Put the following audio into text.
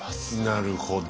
なるほど。